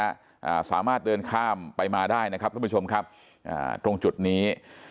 อ่าสามารถเดินข้ามไปมาได้นะครับท่านผู้ชมครับอ่าตรงจุดนี้